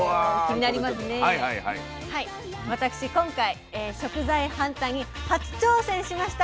私今回食材ハンターに初挑戦しました